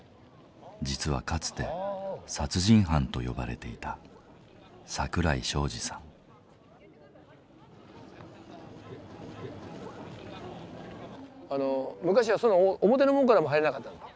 実はかつて「殺人犯」と呼ばれていた昔はその表の門からも入れなかった。